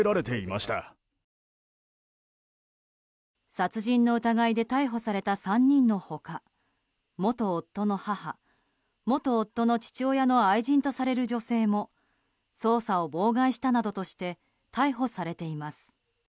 殺人の疑いで逮捕された３人の他元夫の母元夫の父親の愛人とされる女性も捜査を妨害したなどとして逮捕されています。